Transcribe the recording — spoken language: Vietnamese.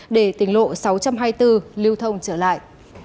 để tỉnh lộ sáu trăm hai mươi bốn lưu thông trở lại